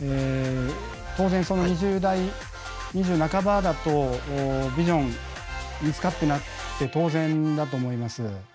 当然２０代２０半ばだとビジョン見つかってなくて当然だと思います。